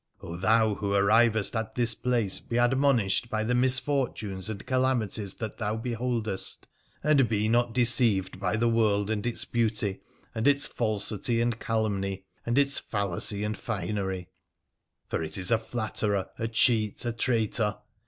thou who arrivest at this place, be admonished by the mis fortunes and calamities that thou beholdest, and be not deceived by the world and its beauty, and its falsity and calumny, and its fallacy and finery ; for it is a flatterer, a cheat, a traitor.